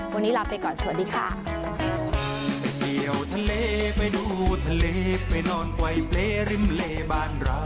วันนี้ลาไปก่อนสวัสดีค่ะ